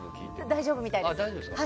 大丈夫みたいです。